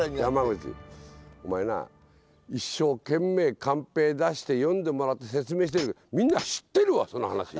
山内お前な一生懸命カンペ出して読んでもらって説明してるけどみんな知ってるわその話！